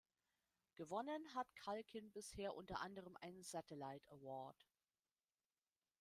Gewonnen hat Culkin bisher unter anderem einen Satellite Award.